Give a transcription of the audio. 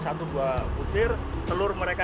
satu buah butir telur mereka